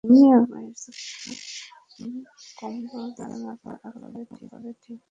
কাজেই আমি কম্বল দিয়ে মাথা আরও ভালো ভাবে ঢেকে ঘুমিয়ে পড়লাম।